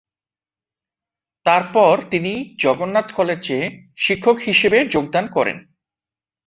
তারপর তিনি জগন্নাথ কলেজে শিক্ষক হিসেবে যোগদান করেন।